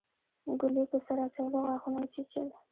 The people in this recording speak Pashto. ګلي په سر اچولو غاښونه وچيچل.